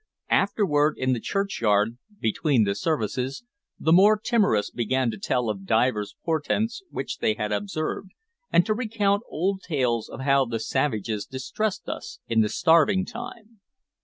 Afterward, in the churchyard, between the services, the more timorous began to tell of divers portents which they had observed, and to recount old tales of how the savages distressed us in the Starving Time.